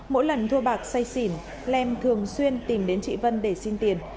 mỗi lần thua bạc say xỉn lem thường xuyên tìm đến chị vân để xin tiền